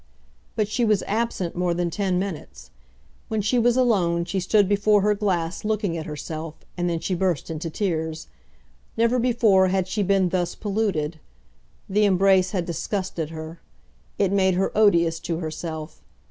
But she was absent more than ten minutes. When she was alone she stood before her glass looking at herself, and then she burst into tears. Never before had she been thus polluted. The embrace had disgusted her. It made her odious to herself.